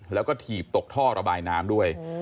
แล้วก็ถีบตกท่อระบายน้ำด้วย